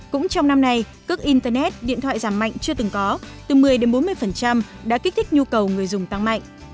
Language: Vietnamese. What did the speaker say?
cũng trong năm nay cước internet điện thoại giảm mạnh chưa từng có từ một mươi bốn mươi đã kích thích nhu cầu người dùng tăng mạnh